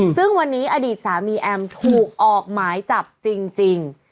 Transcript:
ซึ่งวันนี้อดีตสามีแอมถูกออกหมายจับจริง